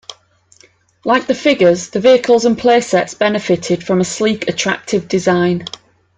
Like the figures, the vehicles and playsets benefited from a sleek, attractive design.